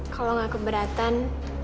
kalau nggak keberatan